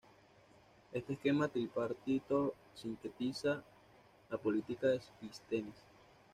Este esquema tripartito sintetiza la política de Clístenes.